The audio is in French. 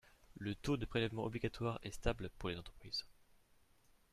Le taux de prélèvement obligatoire est stable pour les entreprises.